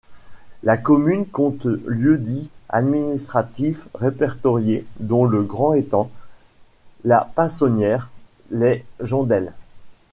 La commune compte lieux-dits administratifs répertoriés dont Le Grand Étang, la Pinsonnière, les Jondelles.